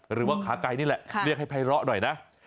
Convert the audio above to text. หรือว่าขาไก่นี่แหละเรียกให้ไพร้อหน่อยนะ